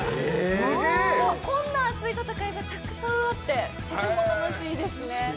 こんな熱い戦いがたくさんあって楽しいですね。